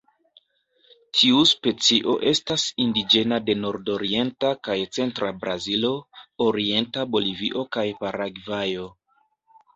Tiu specio estas indiĝena de nordorienta kaj centra Brazilo, orienta Bolivio kaj Paragvajo.